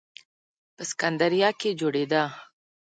په سکندریه کې جوړېده.